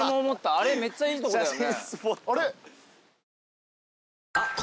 あれめっちゃいいとこだよね。